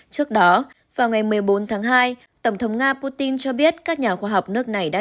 trước đó vào ngày một mươi bốn tháng hai tổng thống nga putin cho biết các nhà khoa học nước này đã